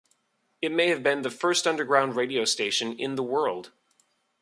It may have been the first underground radio station in the world.